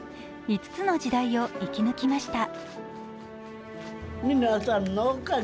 ５つの時代を生き抜きました。